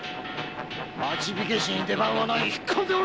町火消しに出番はないひっこんでおれ‼